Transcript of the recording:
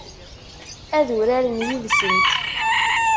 Ad uraren yid-sent?